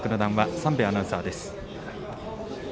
三瓶アナウンサーです。